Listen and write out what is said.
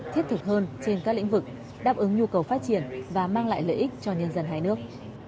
thiết thực hơn trên các lĩnh vực đáp ứng nhu cầu phát triển và mang lại lợi ích cho nhân dân hai nước